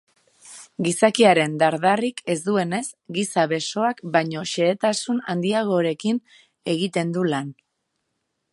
Gizakiaren dar-darrik ez duenez, giza besoak baino xehetasun handiagoarkein egiten du lan.